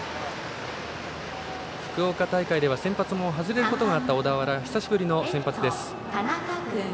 福岡大会では先発を外れることもあった小田原久しぶりの先発です。